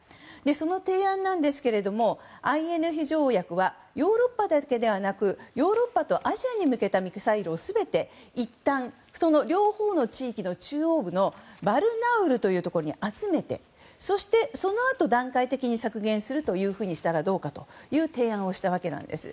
その提案ですがＩＮＦ条約はヨーロッパだけではなくヨーロッパとアジアに向けたミサイルを全ていったん両方の地域の中央部のバルナウルに集めて、そしてそのあと段階的に削減するというふうにしたらどうかという提案をしたんです。